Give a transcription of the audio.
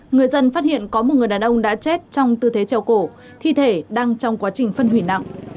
người dân phát hiện có một người đàn ông đã chết trong tư thế trầu cổ thi thể đang trong quá trình phân hủy nặng